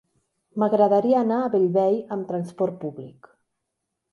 M'agradaria anar a Bellvei amb trasport públic.